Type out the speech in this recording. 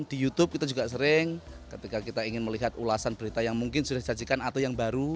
di youtube kita juga sering ketika kita ingin melihat ulasan berita yang mungkin sudah disajikan atau yang baru